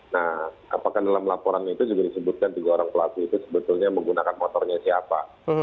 nah apakah dalam laporan itu juga disebutkan tiga orang pelaku itu sebetulnya menggunakan motornya siapa